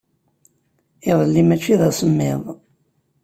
Iḍelli maci d asemmiḍ.